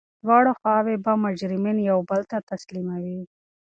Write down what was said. دواړه خواوي به مجرمین یو بل ته تسلیموي.